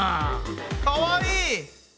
かわいい！